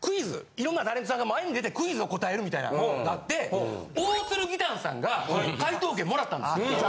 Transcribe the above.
いろんなタレントさんが前に出てクイズを答えるみたいなんがあって大鶴義丹さんが解答権もらったんですよ。